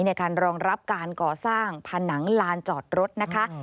ในการรองรับการก่อสร้างผนังลานจอดรถนะคะ